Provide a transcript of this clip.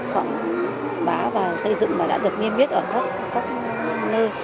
quảng bá và xây dựng mà đã được nghiêm viết ở khắp các nơi